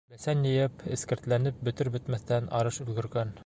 Бесән йыйып, эҫкертләнеп бөтөр-бөтмәҫтән, арыш өлгөргән.